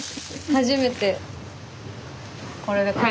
初めて。